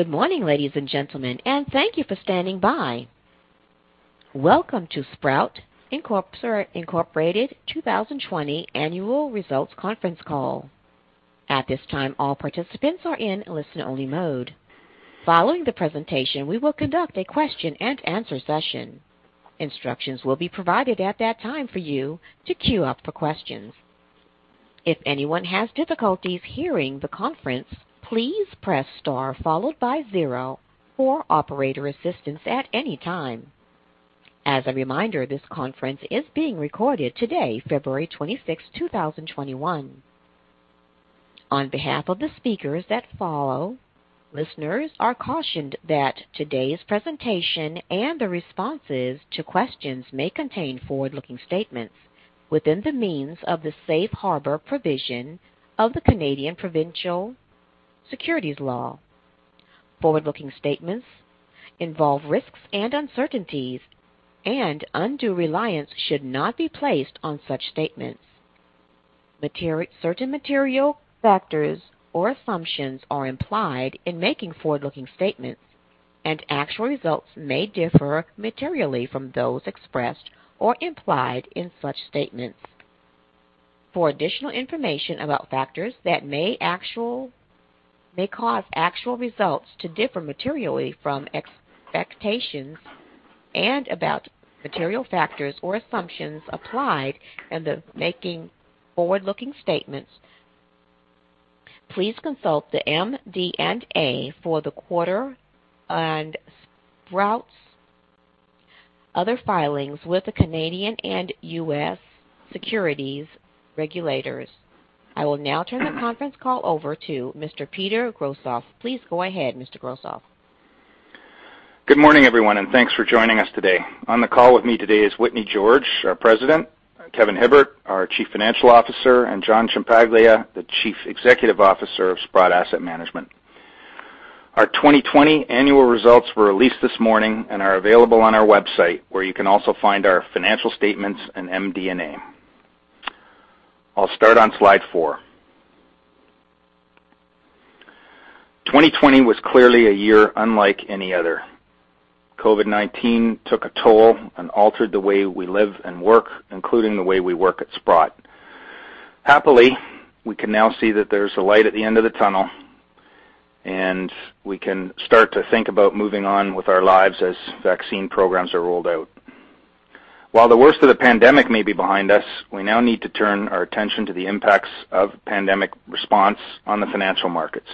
Good morning, ladies and gentlemen, and thank you for standing by. Welcome to Sprott Incorporated 2020 annual results conference call. At this time, all participants are in listen-only mode. Following the presentation, we will conduct a question and answer session. Instructions will be provided at that time for you to queue up for questions. If anyone has difficulties hearing the conference, please press star followed by zero for operator assistance at any time. As a reminder, this conference is being recorded today, February 26, 2021. On behalf of the speakers that follow, listeners are cautioned that today's presentation and the responses to questions may contain forward-looking statements within the means of the safe harbor provision of the Canadian Provincial Securities Law. Forward-looking statements involve risks and uncertainties, and undue reliance should not be placed on such statements. Certain material factors or assumptions are implied in making forward-looking statements, and actual results may differ materially from those expressed or implied in such statements. For additional information about factors that may cause actual results to differ materially from expectations and about material factors or assumptions applied in the making forward-looking statements, please consult the MD&A for the quarter on Sprott's other filings with the Canadian and U.S. securities regulators. I will now turn the conference call over to Mr. Peter Grosskopf. Please go ahead, Mr. Grosskopf. Good morning, everyone, and thanks for joining us today. On the call with me today is Whitney George, our President, Kevin Hibbert, our Chief Financial Officer, and John Ciampaglia, the Chief Executive Officer of Sprott Asset Management. Our 2020 annual results were released this morning and are available on our website, where you can also find our financial statements and MD&A. I'll start on slide four. 2020 was clearly a year unlike any other. COVID-19 took a toll and altered the way we live and work, including the way we work at Sprott. Happily, we can now see that there's a light at the end of the tunnel, and we can start to think about moving on with our lives as vaccine programs are rolled out. While the worst of the pandemic may be behind us, we now need to turn our attention to the impacts of pandemic response on the financial markets.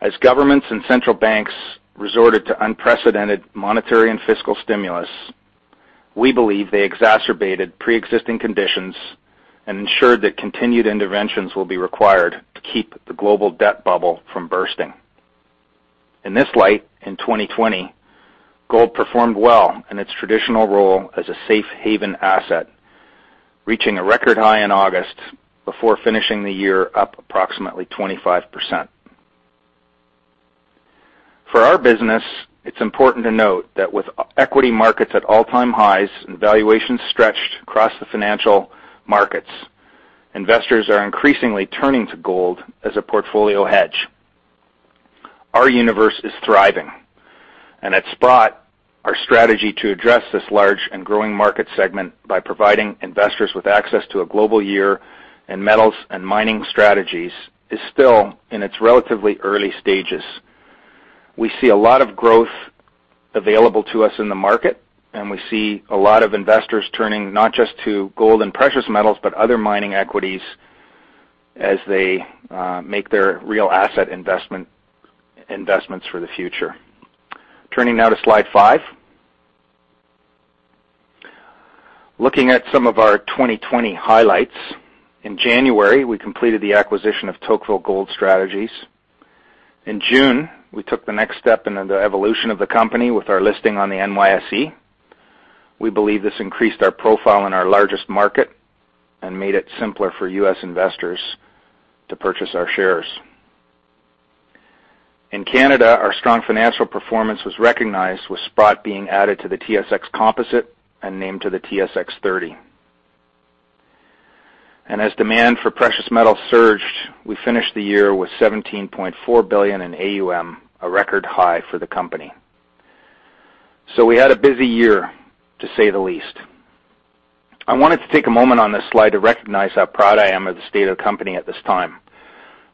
As governments and central banks resorted to unprecedented monetary and fiscal stimulus, we believe they exacerbated pre-existing conditions and ensured that continued interventions will be required to keep the global debt bubble from bursting. In this light, in 2020, gold performed well in its traditional role as a safe haven asset, reaching a record high in August before finishing the year up approximately 25%. For our business, it's important to note that with equity markets at all-time highs and valuations stretched across the financial markets, investors are increasingly turning to gold as a portfolio hedge. Our universe is thriving. At Sprott, our strategy to address this large and growing market segment by providing investors with access to a global year in metals and mining strategies is still in its relatively early stages. We see a lot of growth available to us in the market, and we see a lot of investors turning not just to gold and precious metals, but other mining equities as they make their real asset investments for the future. Turning now to slide five. Looking at some of our 2020 highlights, in January, we completed the acquisition of Tocqueville Gold Strategies. In June, we took the next step in the evolution of the company with our listing on the NYSE. We believe this increased our profile in our largest market and made it simpler for U.S. investors to purchase our shares. In Canada, our strong financial performance was recognized, with Sprott being added to the TSX Composite and named to the TSX 30. As demand for precious metal surged, we finished the year with 17.4 billion in AUM, a record high for the company. We had a busy year, to say the least. I wanted to take a moment on this slide to recognize how proud I am of the state of the company at this time.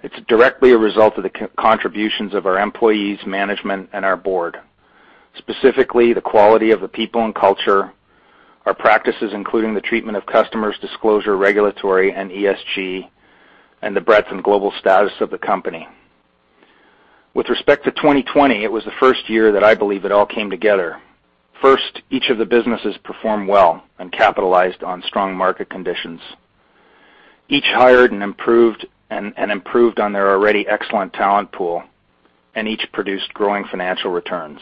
It's directly a result of the contributions of our employees, management, and our board, specifically the quality of the people and culture, our practices, including the treatment of customers, disclosure, regulatory, and ESG, and the breadth and global status of the company. With respect to 2020, it was the first year that I believe it all came together. First, each of the businesses performed well and capitalized on strong market conditions. Each hired and improved on their already excellent talent pool, and each produced growing financial returns.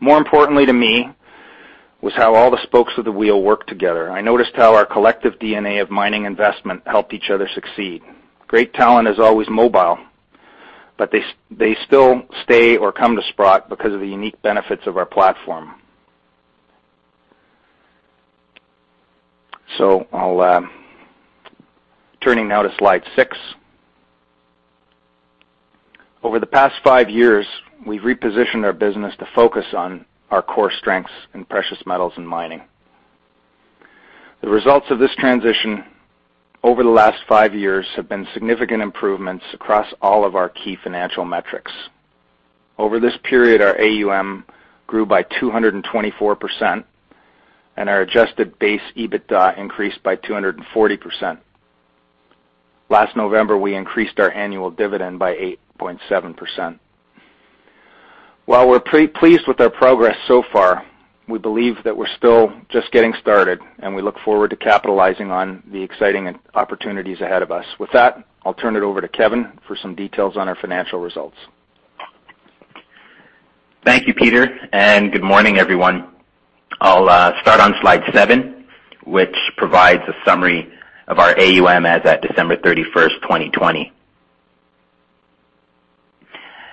More importantly to me was how all the spokes of the wheel worked together. I noticed how our collective DNA of mining investment helped each other succeed. Great talent is always mobile, but they still stay or come to Sprott because of the unique benefits of our platform. Turning now to slide six. Over the past five years, we've repositioned our business to focus on our core strengths in precious metals and mining. The results of this transition over the last five years have been significant improvements across all of our key financial metrics. Over this period, our AUM grew by 224%, and our adjusted base EBITDA increased by 240%. Last November, we increased our annual dividend by 8.7%. While we're pretty pleased with our progress so far, we believe that we're still just getting started, and we look forward to capitalizing on the exciting opportunities ahead of us. With that, I'll turn it over to Kevin for some details on our financial results. Thank you, Peter, and good morning, everyone. I'll start on slide seven, which provides a summary of our AUM as at December 31st, 2020.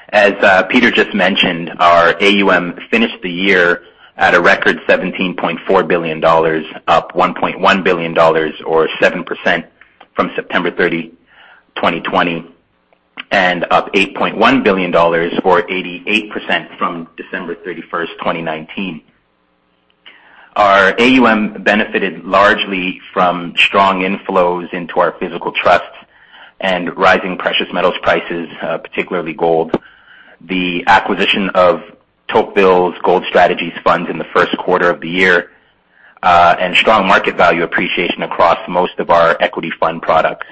As Peter just mentioned, our AUM finished the year at a record 17.4 billion dollars, up 1.1 billion dollars or 7% from September 30, 2020, and up 8.1 billion dollars or 88% from December 31st, 2019. Our AUM benefited largely from strong inflows into our physical trusts and rising precious metals prices, particularly gold. The acquisition of Tocqueville's Gold Strategies fund in the first quarter of the year, and strong market value appreciation across most of our equity fund products.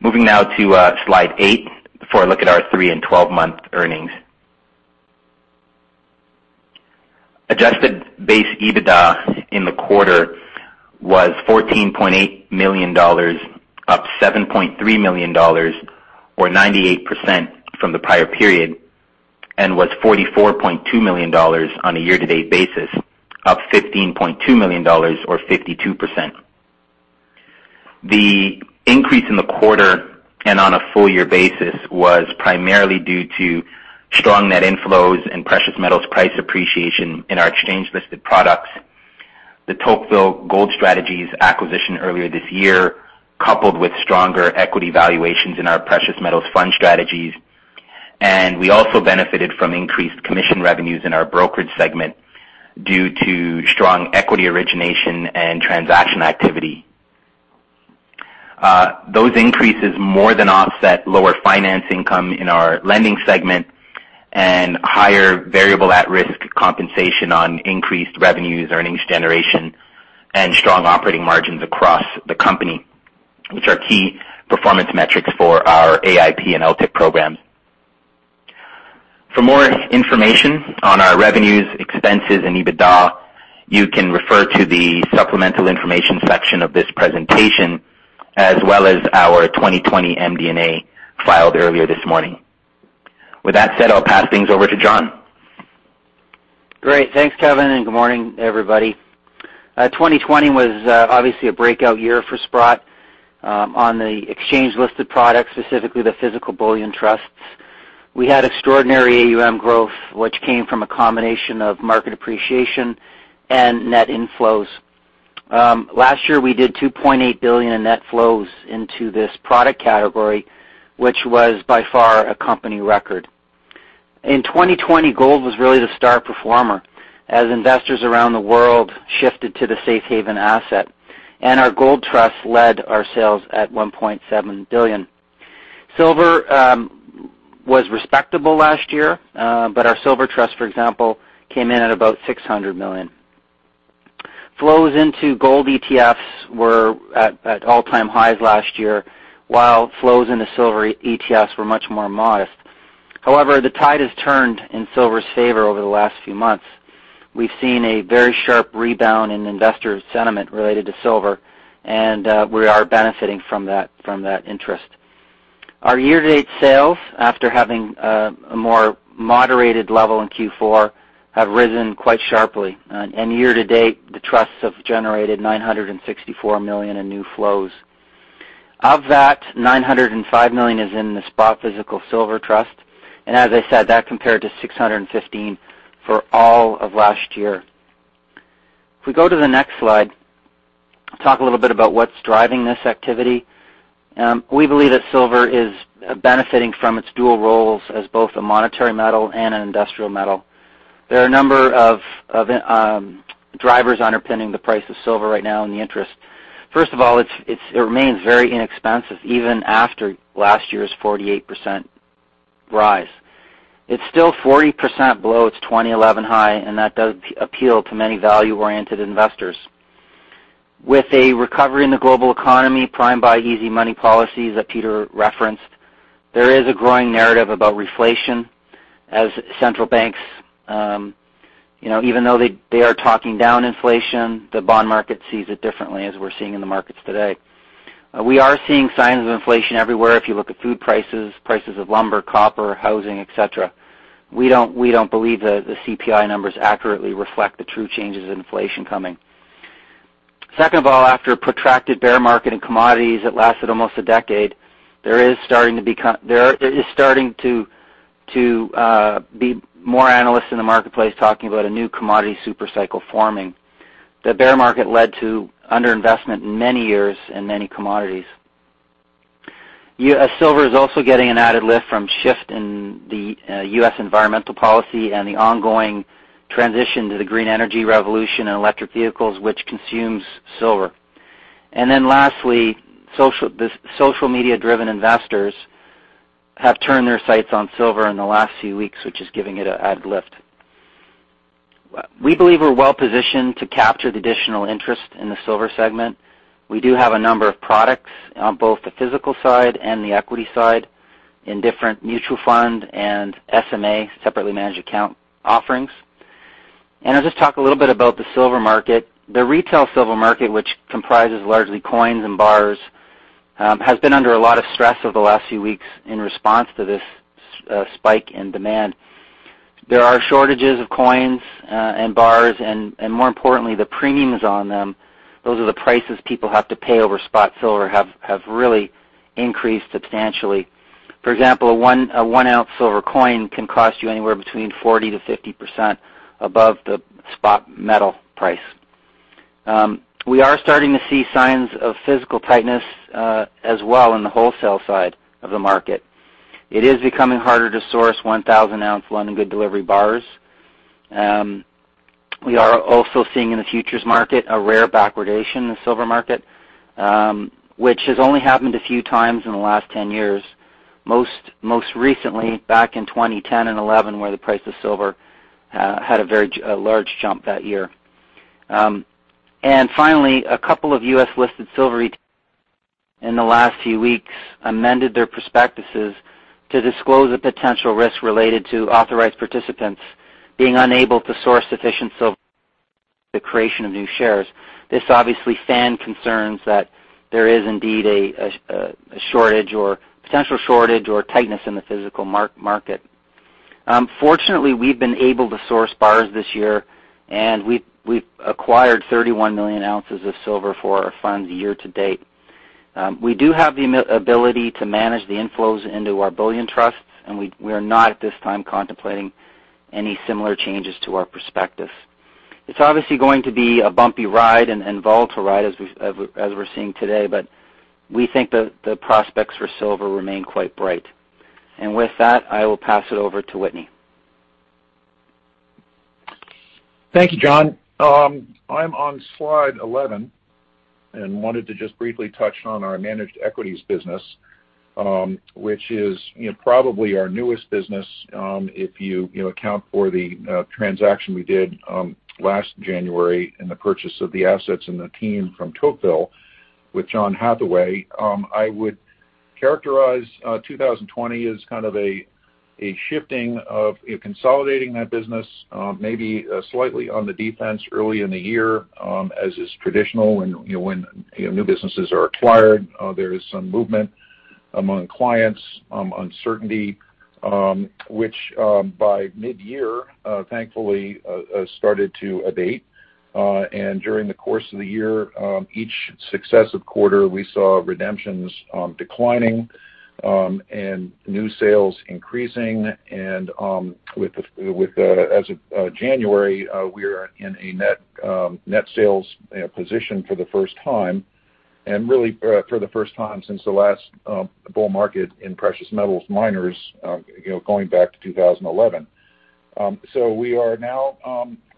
Moving now to slide eight for a look at our three and 12-month earnings. Adjusted base EBITDA in the quarter was 14.8 million dollars, up 7.3 million dollars or 98% from the prior period, and was 44.2 million dollars on a year-to-date basis, up 15.2 million dollars or 52%. The increase in the quarter and on a full-year basis was primarily due to strong net inflows and precious metals price appreciation in our exchange-listed products, the Tocqueville Gold Strategies acquisition earlier this year, coupled with stronger equity valuations in our precious metals fund strategies. We also benefited from increased commission revenues in our brokerage segment due to strong equity origination and transaction activity. Those increases more than offset lower finance income in our lending segment and higher variable at-risk compensation on increased revenues, earnings generation, and strong operating margins across the company, which are key performance metrics for our AIP and LTIC programs. For more information on our revenues, expenses, and EBITDA, you can refer to the supplemental information section of this presentation, as well as our 2020 MD&A filed earlier this morning. With that said, I'll pass things over to John. Great. Thanks, Kevin, good morning, everybody. 2020 was obviously a breakout year for Sprott. On the exchange-listed products, specifically the physical bullion trusts, we had extraordinary AUM growth, which came from a combination of market appreciation and net inflows. Last year, we did 2.8 billion in net flows into this product category, which was by far a company record. In 2020, gold was really the star performer as investors around the world shifted to the safe haven asset, and our gold trust led our sales at 1.7 billion. Silver was respectable last year, but our silver trust, for example, came in at about 600 million. Flows into gold ETFs were at all-time highs last year, while flows into silver ETFs were much more modest. However, the tide has turned in silver's favor over the last few months. We've seen a very sharp rebound in investor sentiment related to silver, and we are benefiting from that interest. Our year-to-date sales, after having a more moderated level in Q4, have risen quite sharply. Year to date, the trusts have generated 964 million in new flows. Of that, 905 million is in the Sprott Physical Silver Trust. As I said, that compared to 615 for all of last year. If we go to the next slide, talk a little bit about what's driving this activity. We believe that silver is benefiting from its dual roles as both a monetary metal and an industrial metal. There are a number of drivers underpinning the price of silver right now and the interest. First of all, it remains very inexpensive, even after last year's 48% rise. It's still 40% below its 2011 high, and that does appeal to many value-oriented investors. With a recovery in the global economy primed by easy money policies that Peter referenced, there is a growing narrative about reflation as central banks, even though they are talking down inflation, the bond market sees it differently as we're seeing in the markets today. We are seeing signs of inflation everywhere. If you look at food prices of lumber, copper, housing, et cetera. We don't believe the CPI numbers accurately reflect the true changes in inflation coming. Second of all, after a protracted bear market in commodities that lasted almost a decade, there is starting to be more analysts in the marketplace talking about a new commodity super cycle forming. The bear market led to under-investment in many years in many commodities. Silver is also getting an added lift from shift in the U.S. environmental policy and the ongoing transition to the green energy revolution and electric vehicles, which consumes silver. Then lastly, the social media-driven investors have turned their sights on silver in the last few weeks, which is giving it an added lift. We believe we're well-positioned to capture the additional interest in the silver segment. We do have a number of products on both the physical side and the equity side in different mutual fund and SMA, separately managed account offerings. I'll just talk a little bit about the silver market. The retail silver market, which comprises largely coins and bars, has been under a lot of stress over the last few weeks in response to this spike in demand. There are shortages of coins and bars, and more importantly, the premiums on them, those are the prices people have to pay over spot silver, have really increased substantially. For example, a one-ounce silver coin can cost you anywhere between 40%-50% above the spot metal price. We are starting to see signs of physical tightness, as well in the wholesale side of the market. It is becoming harder to source 1,000-ounce London Good Delivery bars. We are also seeing in the futures market a rare backwardation in the silver market, which has only happened a few times in the last 10 years, most recently back in 2010 and 2011, where the price of silver had a very large jump that year. Finally, a couple of U.S.-listed silver ETFs in the last few weeks amended their prospectuses to disclose a potential risk related to authorized participants being unable to source sufficient silver for the creation of new shares. This obviously fanned concerns that there is indeed a shortage or potential shortage or tightness in the physical market. Fortunately, we've been able to source bars this year, and we've acquired 31 million ounces of silver for our funds year to date. We do have the ability to manage the inflows into our bullion trusts, and we are not at this time contemplating any similar changes to our perspective. It's obviously going to be a bumpy ride and volatile ride as we're seeing today, but we think the prospects for silver remain quite bright. With that, I will pass it over to Whitney. Thank you, John. I'm on slide 11, wanted to just briefly touch on our managed equities business, which is probably our newest business, if you account for the transaction we did last January in the purchase of the assets and the team from Tocqueville with John Hathaway. I would characterize 2020 as kind of a shifting of consolidating that business, maybe slightly on the defense early in the year, as is traditional when new businesses are acquired. There is some movement among clients, uncertainty, which by mid-year, thankfully, started to abate. During the course of the year, each successive quarter, we saw redemptions declining, and new sales increasing. As of January, we are in a net sales position for the first time, and really for the first time since the last bull market in precious metals miners, going back to 2011. We are now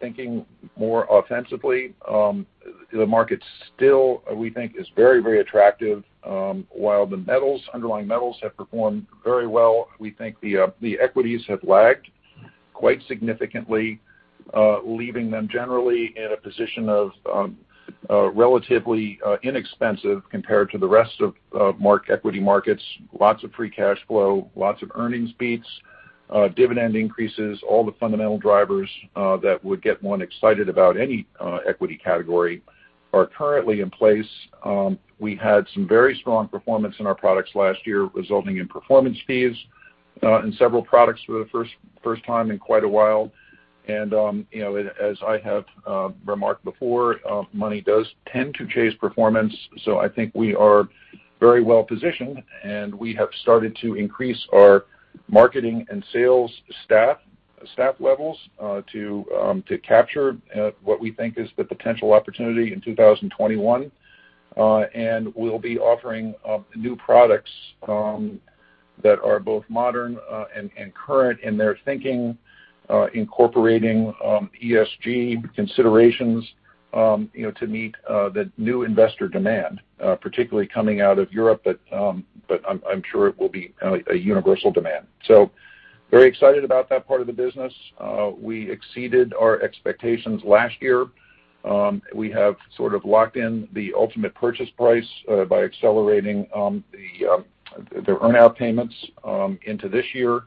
thinking more offensively. The market still, we think is very attractive. While the underlying metals have performed very well, we think the equities have lagged quite significantly, leaving them generally in a position of relatively inexpensive compared to the rest of equity markets, lots of free cash flow, lots of earnings beats, dividend increases. All the fundamental drivers that would get one excited about any equity category are currently in place. We had some very strong performance in our products last year, resulting in performance fees in several products for the first time in quite a while. As I have remarked before, money does tend to chase performance. I think we are very well positioned, and we have started to increase our marketing and sales staff levels, to capture what we think is the potential opportunity in 2021. We'll be offering new products that are both modern and current in their thinking, incorporating ESG considerations to meet the new investor demand, particularly coming out of Europe, but I'm sure it will be a universal demand. Very excited about that part of the business. We exceeded our expectations last year. We have sort of locked in the ultimate purchase price by accelerating the earn-out payments into this year,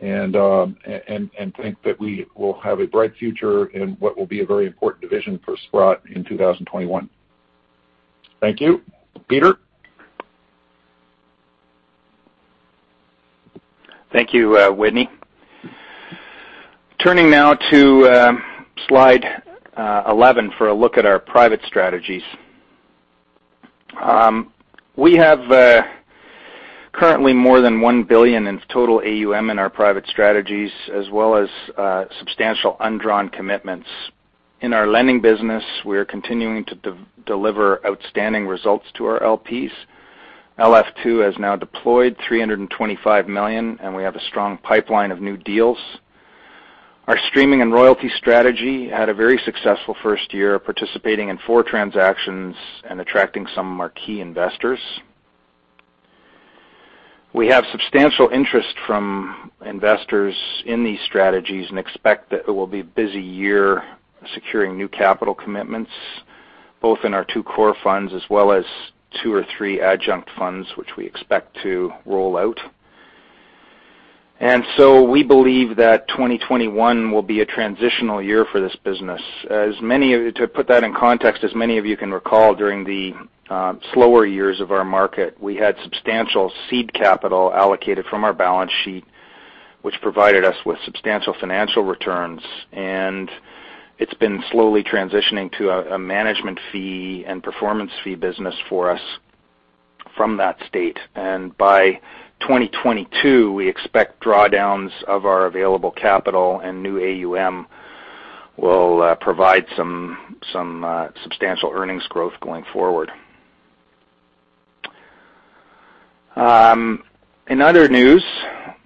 and think that we will have a bright future in what will be a very important division for Sprott in 2021. Thank you. Peter? Thank you, Whitney. Turning now to slide 11 for a look at our private strategies. We have currently more than 1 billion in total AUM in our private strategies, as well as substantial undrawn commitments. In our lending business, we are continuing to deliver outstanding results to our LPs. LF2 has now deployed 325 million, and we have a strong pipeline of new deals. Our streaming and royalty strategy had a very successful first year, participating in four transactions and attracting some of our key investors. We have substantial interest from investors in these strategies and expect that it will be a busy year securing new capital commitments, both in our two core funds as well as two or three adjunct funds, which we expect to roll out. We believe that 2021 will be a transitional year for this business. To put that in context, as many of you can recall, during the slower years of our market, we had substantial seed capital allocated from our balance sheet, which provided us with substantial financial returns. It's been slowly transitioning to a management fee and performance fee business for us from that state. By 2022, we expect drawdowns of our available capital and new AUM will provide some substantial earnings growth going forward. In other news,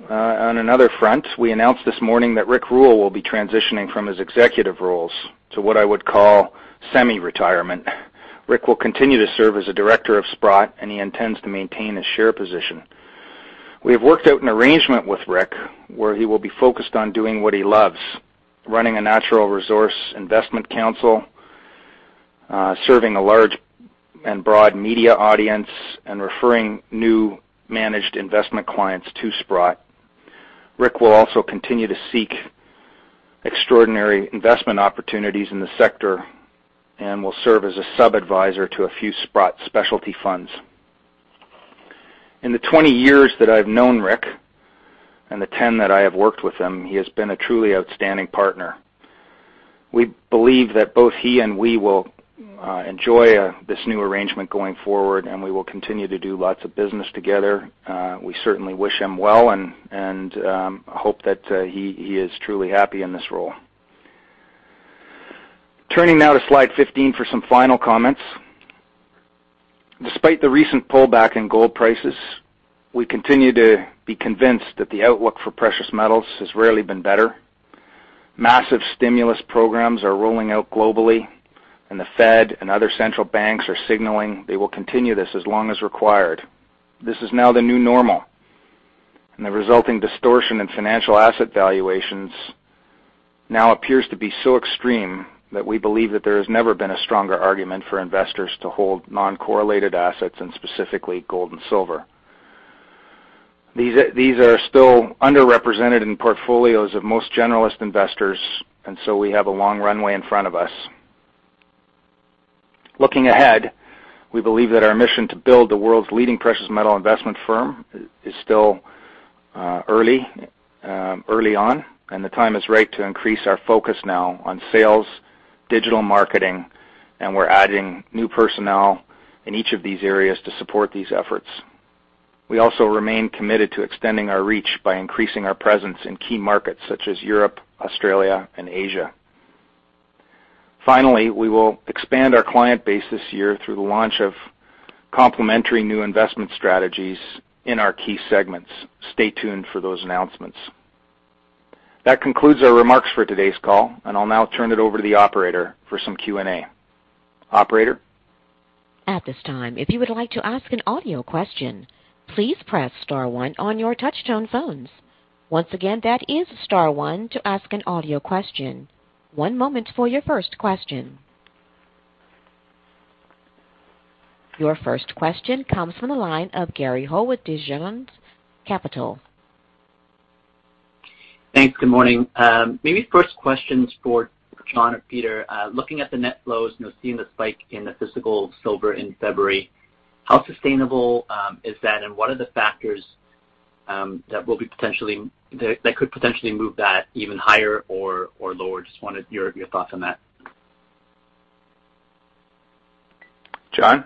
on another front, we announced this morning that Rick Rule will be transitioning from his executive roles to what I would call semi-retirement. Rick will continue to serve as a Director of Sprott, and he intends to maintain his share position. We have worked out an arrangement with Rick where he will be focused on doing what he loves, running a natural resource investment council, serving a large and broad media audience, and referring new managed investment clients to Sprott. Rick will also continue to seek extraordinary investment opportunities in the sector and will serve as a sub-adviser to a few Sprott specialty funds. In the 20 years that I've known Rick and the 10 that I have worked with him, he has been a truly outstanding partner. We believe that both he and we will enjoy this new arrangement going forward, and we will continue to do lots of business together. We certainly wish him well and hope that he is truly happy in this role. Turning now to slide 15 for some final comments. Despite the recent pullback in gold prices, we continue to be convinced that the outlook for precious metals has rarely been better. Massive stimulus programs are rolling out globally, and the Fed and other central banks are signaling they will continue this as long as required. This is now the new normal, and the resulting distortion in financial asset valuations now appears to be so extreme that we believe that there has never been a stronger argument for investors to hold non-correlated assets, and specifically gold and silver. These are still underrepresented in portfolios of most generalist investors, and so we have a long runway in front of us. Looking ahead, we believe that our mission to build the world's leading precious metal investment firm is still early on, and the time is right to increase our focus now on sales, digital marketing, and we're adding new personnel in each of these areas to support these efforts. We also remain committed to extending our reach by increasing our presence in key markets such as Europe, Australia and Asia. Finally, we will expand our client base this year through the launch of complementary new investment strategies in our key segments. Stay tuned for those announcements. That concludes our remarks for today's call, and I'll now turn it over to the operator for some Q&A. Operator? At this time, if you would like to ask an audio question, please press star one on your touchtone phone. Once again, that is star one to ask an audio question. One moment for your first question. Your first question comes from the line of Gary Ho with Desjardins Capital. Thanks. Good morning. Maybe the first question is for John or Peter. Looking at the net flows, seeing the spike in the physical silver in February, how sustainable is that and what are the factors that could potentially move that even higher or lower? Just wanted your thoughts on that. John?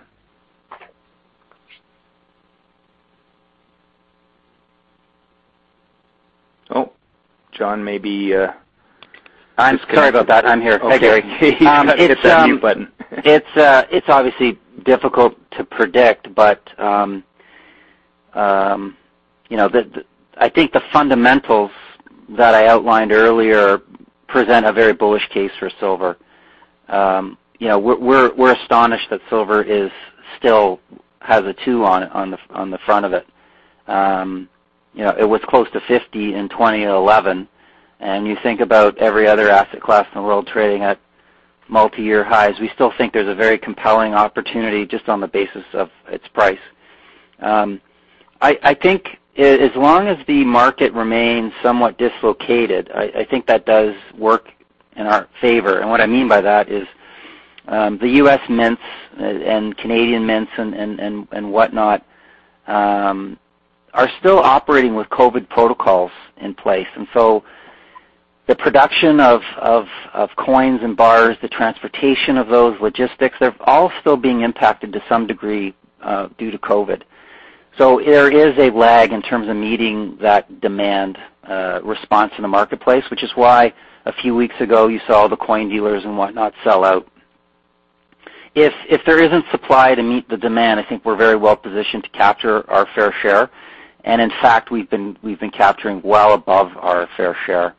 Oh. John may be- I'm sorry about that. I'm here. Thank you. Okay. Hit that mute button. It's obviously difficult to predict, but I think the fundamentals that I outlined earlier present a very bullish case for silver. We're astonished that silver still has a 2 on the front of it. It was close to 50 in 2011, and you think about every other asset class in the world trading at multi-year highs. We still think there's a very compelling opportunity just on the basis of its price. I think as long as the market remains somewhat dislocated, I think that does work in our favor. And what I mean by that is the U.S. mints and Canadian mints and whatnot, are still operating with COVID protocols in place. The production of coins and bars, the transportation of those logistics, they're all still being impacted to some degree, due to COVID. There is a lag in terms of meeting that demand response in the marketplace, which is why a few weeks ago you saw the coin dealers and whatnot sell out. If there isn't supply to meet the demand, I think we're very well positioned to capture our fair share. In fact, we've been capturing well above our fair share.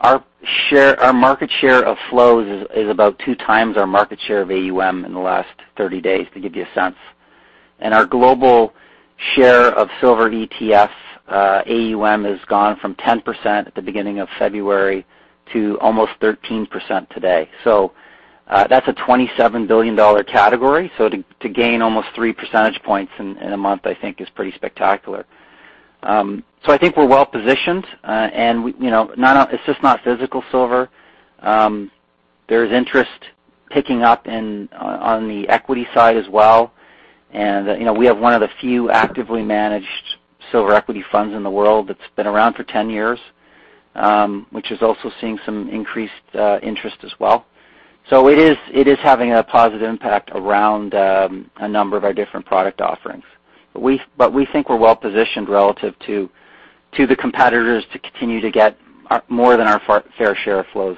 Our market share of flows is about two times our market share of AUM in the last 30 days, to give you a sense. Our global share of silver ETF AUM has gone from 10% at the beginning of February to almost 13% today. That's a 27 billion dollar category, so to gain almost three percentage points in a month, I think is pretty spectacular. I think we're well positioned, and it's just not physical silver. There's interest picking up on the equity side as well. We have one of the few actively managed silver equity funds in the world that's been around for 10 years, which is also seeing some increased interest as well. It is having a positive impact around a number of our different product offerings. We think we're well positioned relative to the competitors to continue to get more than our fair share of flows.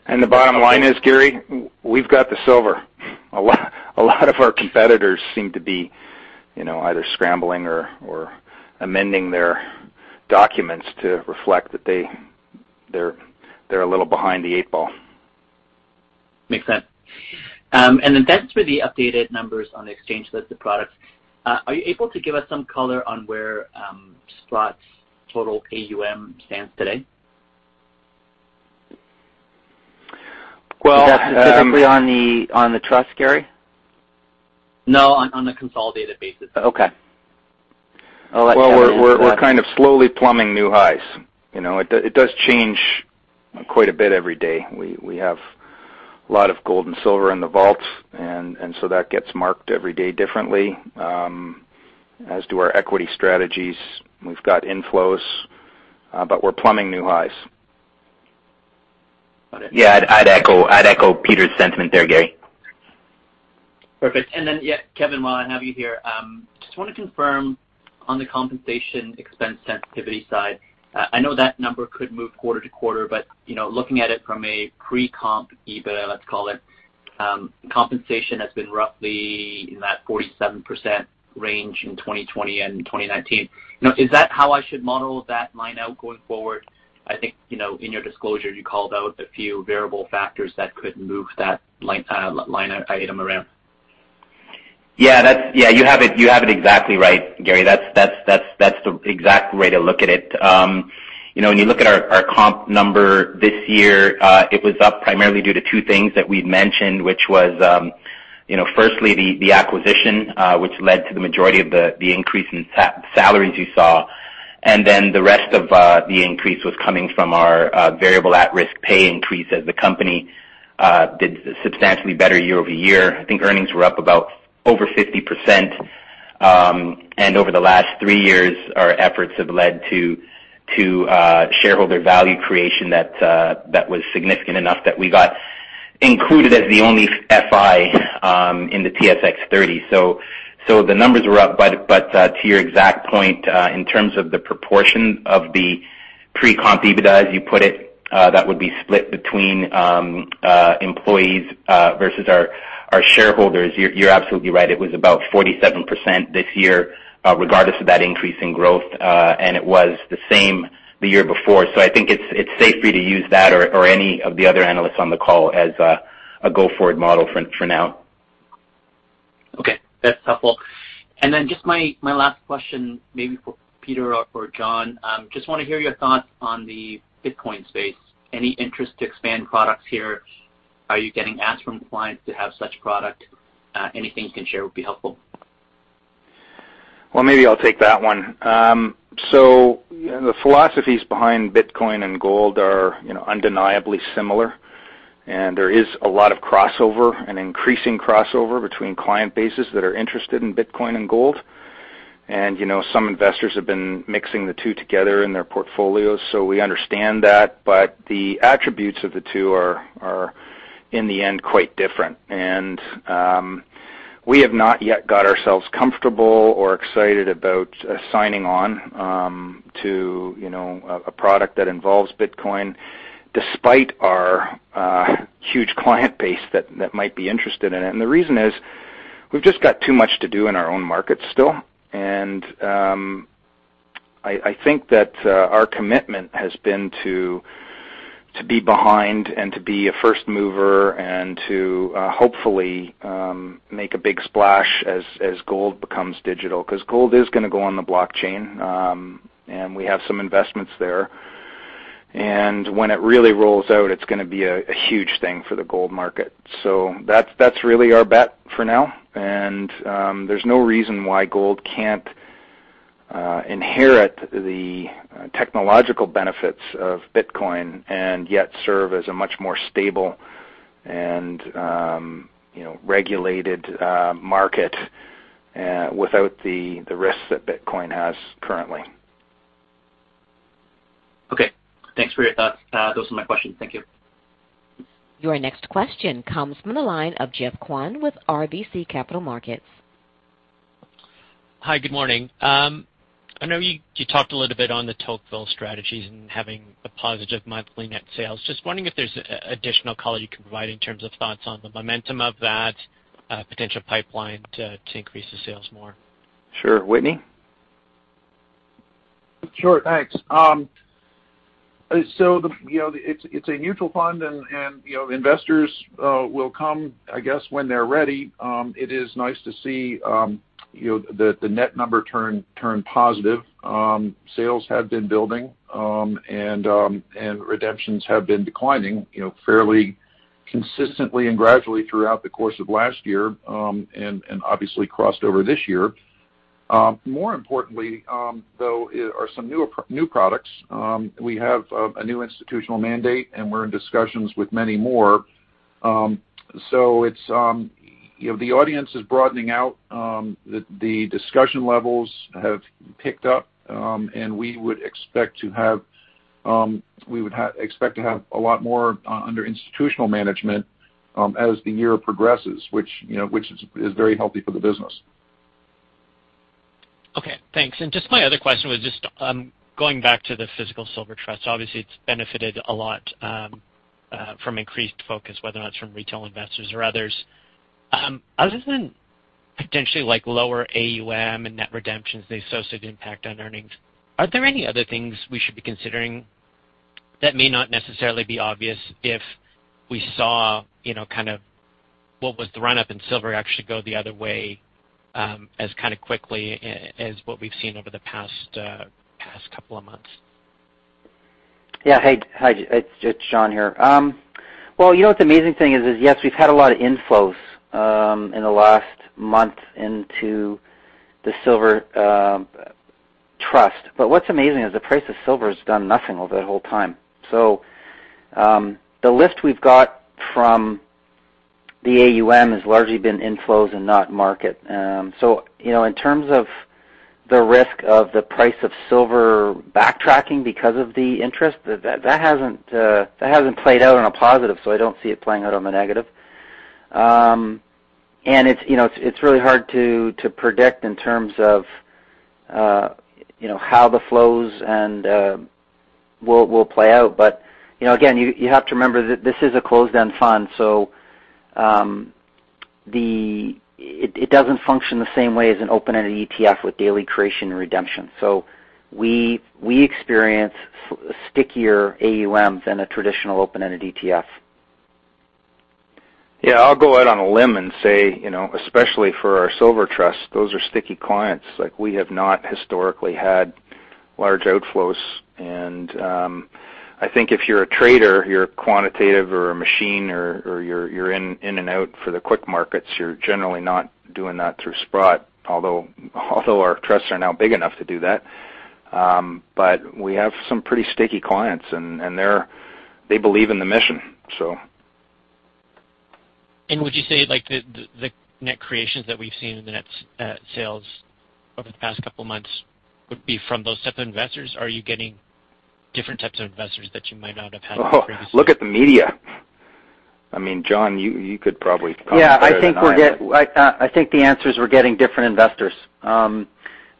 The bottom line is, Gary, we've got the silver. A lot of our competitors seem to be either scrambling or amending their documents to reflect that they're a little behind the eight ball. Makes sense. Thanks for the updated numbers on the exchange-listed products. Are you able to give us some color on where Sprott's total AUM stands today? Well- Specifically on the trust, Gary? No, on a consolidated basis. Okay. I'll let Kevin- Well, we're kind of slowly plumbing new highs. It does change quite a bit every day. We have a lot of gold and silver in the vaults, and so that gets marked every day differently, as do our equity strategies. We've got inflows, but we're plumbing new highs. Okay. Yeah, I'd echo Peter's sentiment there, Gary. Perfect. Yeah, Kevin, while I have you here, just want to confirm on the compensation expense sensitivity side. I know that number could move quarter to quarter. Looking at it from a pre-comp EBITDA, let's call it, compensation has been roughly in that 47% range in 2020 and 2019. Is that how I should model that line out going forward? I think, in your disclosure, you called out a few variable factors that could move that line item around. Yeah, you have it exactly right, Gary. That's the exact way to look at it. When you look at our comp number this year, it was up primarily due to two things that we'd mentioned, which was firstly the acquisition, which led to the majority of the increase in salaries you saw. The rest of the increase was coming from our variable at-risk pay increase as the company did substantially better year-over-year. I think earnings were up about over 50%. Over the last three years, our efforts have led to shareholder value creation that was significant enough that we got included as the only FI in the TSX 30. The numbers were up, but to your exact point, in terms of the proportion of the pre-comp EBITDA, as you put it, that would be split between employees versus our shareholders. You're absolutely right. It was about 47% this year, regardless of that increase in growth. It was the same the year before. I think it's safe for you to use that or any of the other analysts on the call as a go-forward model for now. Okay, that's helpful. Just my last question, maybe for Peter or for John, just want to hear your thoughts on the Bitcoin space. Any interest to expand products here? Are you getting asked from clients to have such product? Anything you can share would be helpful. Well, maybe I'll take that one. The philosophies behind Bitcoin and gold are undeniably similar, and there is a lot of crossover and increasing crossover between client bases that are interested in Bitcoin and gold. Some investors have been mixing the two together in their portfolios, so we understand that, but the attributes of the two are, in the end, quite different. We have not yet got ourselves comfortable or excited about signing on to a product that involves Bitcoin, despite our huge client base that might be interested in it. The reason is, we've just got too much to do in our own markets still. I think that our commitment has been to be behind and to be a first mover and to hopefully make a big splash as gold becomes digital, because gold is going to go on the blockchain. We have some investments there. When it really rolls out, it's going to be a huge thing for the gold market. That's really our bet for now, and there's no reason why gold can't inherit the technological benefits of Bitcoin and yet serve as a much more stable and regulated market without the risks that Bitcoin has currently. Okay. Thanks for your thoughts. Those are my questions. Thank you. Your next question comes from the line of Geoffrey Kwan with RBC Capital Markets. Hi, good morning. I know you talked a little bit on the Tocqueville strategies and having a positive monthly net sales. Just wondering if there's additional color you can provide in terms of thoughts on the momentum of that potential pipeline to increase the sales more. Sure. Whitney? Sure. Thanks. It's a mutual fund, and investors will come, I guess, when they're ready. It is nice to see that the net number turn positive. Sales have been building, and redemptions have been declining fairly consistently and gradually throughout the course of last year, and obviously crossed over this year. More importantly, though, are some new products. We have a new institutional mandate, and we're in discussions with many more. The audience is broadening out. The discussion levels have picked up, and we would expect to have a lot more under institutional management as the year progresses, which is very healthy for the business. Okay, thanks. Just my other question was just going back to the Physical Silver Trust. Obviously, it's benefited a lot from increased focus, whether that's from retail investors or others. Other than potentially lower AUM and net redemptions, the associated impact on earnings, are there any other things we should be considering that may not necessarily be obvious if we saw what was the run-up in silver actually go the other way as quickly as what we've seen over the past couple of months? Hey, it's John here. What the amazing thing is, yes, we've had a lot of inflows in the last month into the Silver Trust, what's amazing is the price of silver has done nothing over that whole time. The lift we've got from the AUM has largely been inflows and not market. In terms of the risk of the price of silver backtracking because of the interest, that hasn't played out on a positive, I don't see it playing out on the negative. It's really hard to predict in terms of how the flows will play out. Again, you have to remember that this is a closed-end fund, so it doesn't function the same way as an open-ended ETF with daily creation and redemption. We experience stickier AUMs than a traditional open-ended ETF. Yeah, I'll go out on a limb and say, especially for our Silver Trust, those are sticky clients. We have not historically had large outflows, and I think if you're a trader, you're a quantitative or a machine or you're in and out for the quick markets, you're generally not doing that through Sprott, although our trusts are now big enough to do that. We have some pretty sticky clients, and they believe in the mission. Would you say the net creations that we've seen in the net sales over the past couple of months would be from those type of investors? Are you getting different types of investors that you might not have had in the previous? Look at the media. John, you could probably comment better than I. Yeah, I think the answer is we're getting different investors.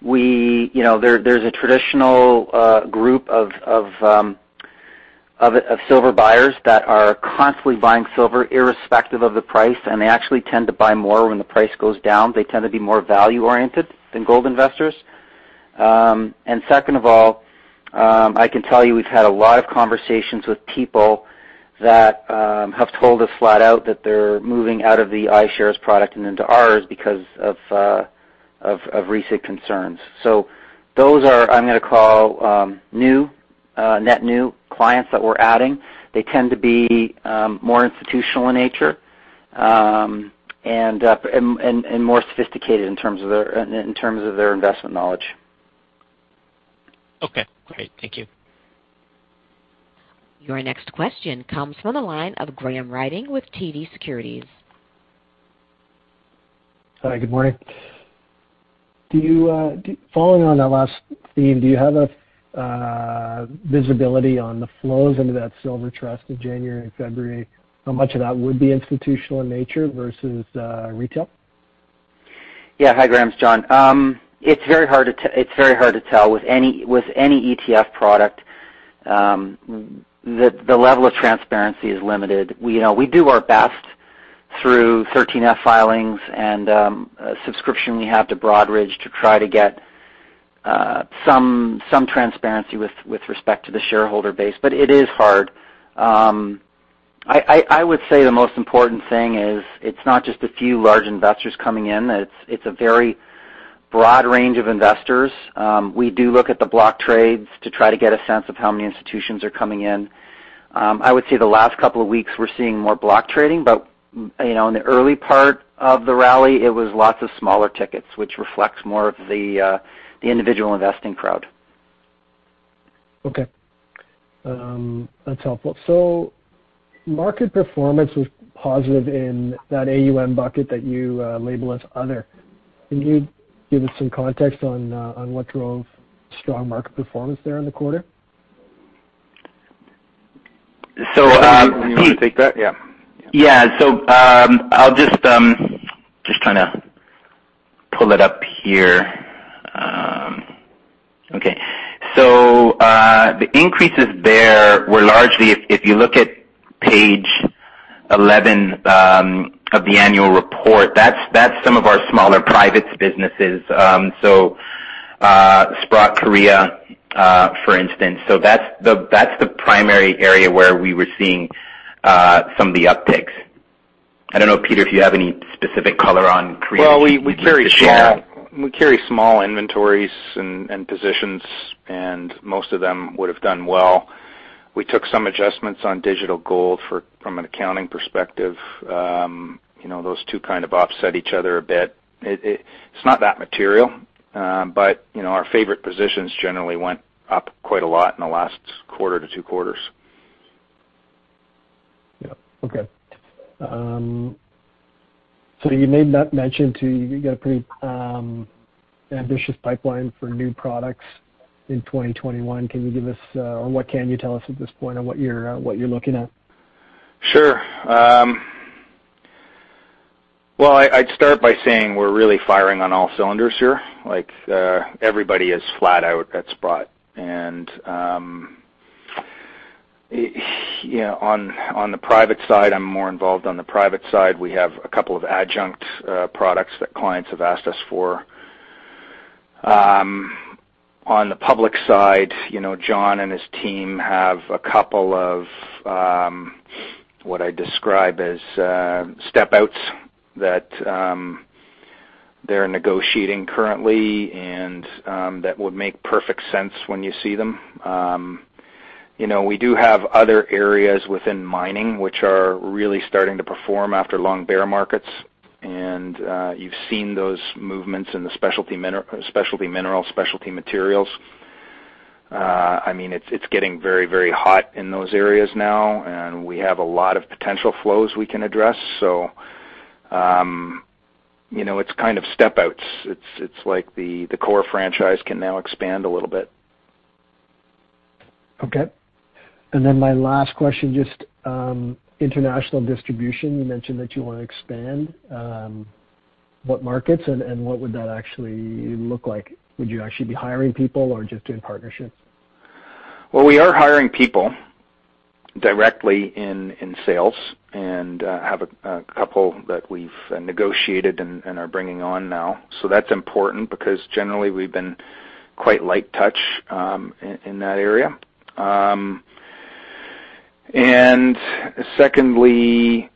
There's a traditional group of silver buyers that are constantly buying silver irrespective of the price, and they actually tend to buy more when the price goes down. They tend to be more value-oriented than gold investors. Second of all, I can tell you we've had a lot of conversations with people that have told us flat out that they're moving out of the iShares product and into ours because of recent concerns. Those are, I'm going to call new, net new clients that we're adding. They tend to be more institutional in nature, and more sophisticated in terms of their investment knowledge. Okay, great. Thank you. Your next question comes from the line of Graham Ryding with TD Securities. Hi, good morning. Following on that last theme, do you have a visibility on the flows into that Silver Trust in January and February, how much of that would be institutional in nature versus retail? Hi, Graham, it's John. It's very hard to tell with any ETF product. The level of transparency is limited. We do our best through 13F filings and subscription we have to Broadridge to try to get some transparency with respect to the shareholder base, but it is hard. I would say the most important thing is it's not just a few large investors coming in. It's a very broad range of investors. We do look at the block trades to try to get a sense of how many institutions are coming in. I would say the last couple of weeks, we're seeing more block trading, but in the early part of the rally, it was lots of smaller tickets, which reflects more of the individual investing crowd. Okay. That's helpful. Market performance was positive in that AUM bucket that you label as other. Can you give us some context on what drove strong market performance there in the quarter? So- Do you want me to take that? Yeah. Yeah. I'm just trying to pull it up here. Okay. The increases there were largely, if you look at page 11 of the annual report, that's some of our smaller privates businesses. Sprott Korea, for instance. That's the primary area where we were seeing some of the upticks. I don't know, Peter, if you have any specific color on Korea. Well, we carry small inventories and positions, and most of them would have done well. We took some adjustments on digital gold from an accounting perspective. Those two kind of offset each other a bit. It's not that material. Our favorite positions generally went up quite a lot in the last quarter to two quarters. Yeah. Okay. You made that mention too, you got a pretty ambitious pipeline for new products in 2021. Can you give us, or what can you tell us at this point on what you're looking at? Sure. Well, I'd start by saying we're really firing on all cylinders here. Everybody is flat out at Sprott. On the private side, I'm more involved on the private side. We have a couple of adjunct products that clients have asked us for. On the public side, John and his team have a couple of, what I describe as step-outs that they're negotiating currently, and that would make perfect sense when you see them. We do have other areas within mining which are really starting to perform after long bear markets. You've seen those movements in the specialty minerals, specialty materials. It's getting very, very hot in those areas now, and we have a lot of potential flows we can address. It's kind of step-outs. It's like the core franchise can now expand a little bit. Okay. My last question, just international distribution, you mentioned that you want to expand. What markets, what would that actually look like? Would you actually be hiring people or just doing partnerships? Well, we are hiring people directly in sales, and have a couple that we've negotiated and are bringing on now. That's important because generally we've been quite light touch in that area. Secondly,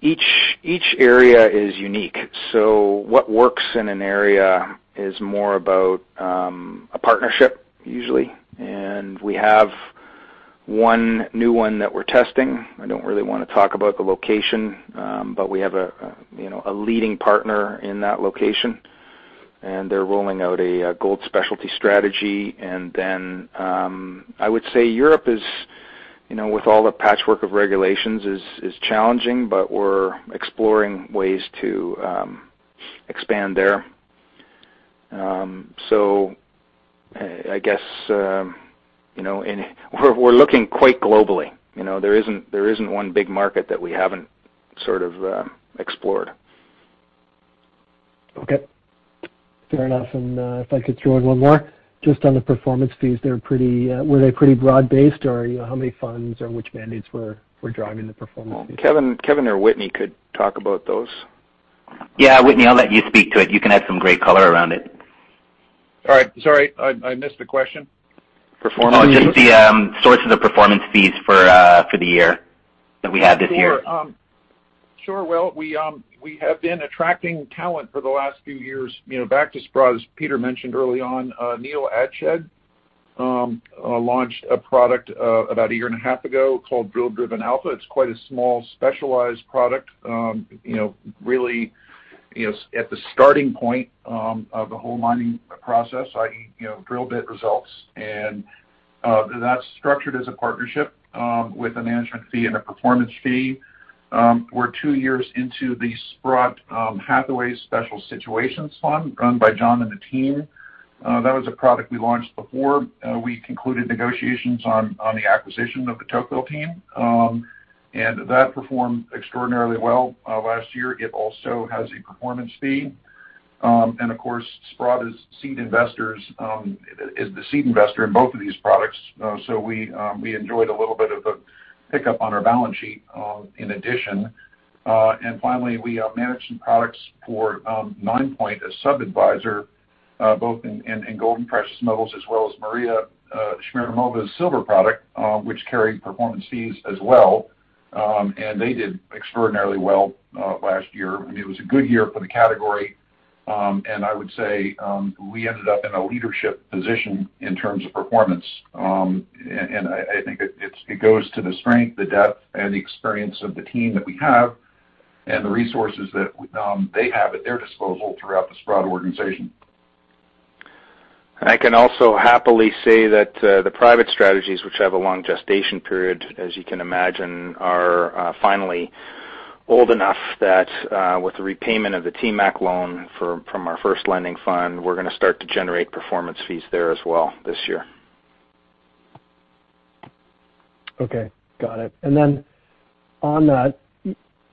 each area is unique. What works in an area is more about a partnership usually, and we have one new one that we're testing. I don't really want to talk about the location. We have a leading partner in that location, and they're rolling out a gold specialty strategy. I would say Europe is, with all the patchwork of regulations, is challenging, but we're exploring ways to expand there. I guess, we're looking quite globally. There isn't one big market that we haven't sort of explored. Okay. Fair enough. If I could throw in one more, just on the performance fees, were they pretty broad based, or how many funds or which mandates were driving the performance fees? Kevin or Whitney could talk about those. Yeah. Whitney, I'll let you speak to it. You can add some great color around it. All right. Sorry, I missed the question. Performance? Oh, just the source of the performance fees for the year, that we had this year. Sure. Well, we have been attracting talent for the last few years. Back to Sprott, as Peter mentioned early on, Neil Adshead launched a product about a year and a half ago called Drill-Driven Alpha. It's quite a small specialized product, really at the starting point of the whole mining process, i.e., drill bit results. That's structured as a partnership with a management fee and a performance fee. We're two years into the Sprott Hathaway Special Situations Fund run by John and the team. That was a product we launched before we concluded negotiations on the acquisition of the Tocqueville team. That performed extraordinarily well last year. It also has a performance fee. Of course, Sprott is the seed investor in both of these products. We enjoyed a little bit of a pickup on our balance sheet in addition. Finally, we manage some products for Ninepoint, a sub-adviser, both in gold and precious metals, as well as Maria Smirnova's silver product, which carried performance fees as well. They did extraordinarily well last year. It was a good year for the category. I would say we ended up in a leadership position in terms of performance. I think it goes to the strength, the depth and the experience of the team that we have and the resources that they have at their disposal throughout the Sprott organization. I can also happily say that the private strategies which have a long gestation period, as you can imagine, are finally old enough that with the repayment of the TMAC loan from our first lending fund, we're going to start to generate performance fees there as well this year. Okay. Got it. Then on that,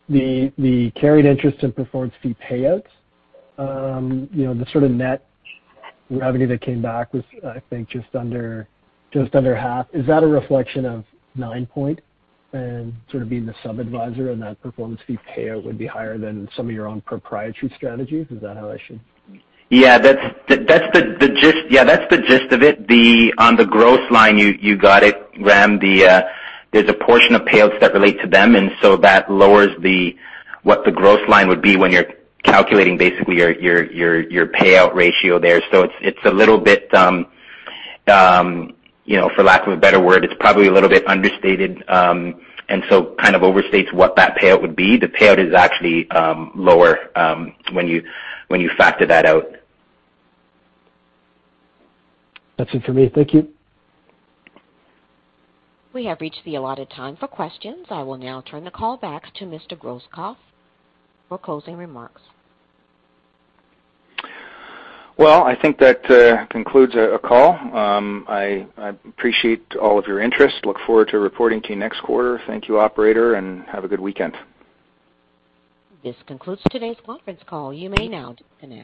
the carried interest and performance fee payouts, the sort of net revenue that came back was, I think, just under half. Is that a reflection of Ninepoint and sort of being the sub-adviser and that performance fee payout would be higher than some of your own proprietary strategies? Is that how I should? Yeah, that's the gist of it. On the gross line, you got it, Graham. There's a portion of payouts that relate to them, and so that lowers what the gross line would be when you're calculating basically your payout ratio there. It's a little bit, for lack of a better word, it's probably a little bit understated, and so kind of overstates what that payout would be. The payout is actually lower when you factor that out. That's it for me. Thank you. We have reached the allotted time for questions. I will now turn the call back to Mr. Grosskopf for closing remarks. Well, I think that concludes our call. I appreciate all of your interest. Look forward to reporting to you next quarter. Thank you, operator, and have a good weekend. This concludes today's conference call. You may now disconnect.